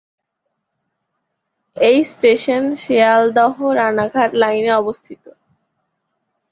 এই station Sealdah Ranaghat line এ অবস্থিত।